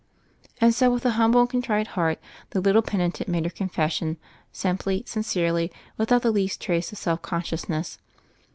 And so, with a humble and contrite heart, the little penitent made her confession, simply, sin cerely, without the least trace of self conscious ness.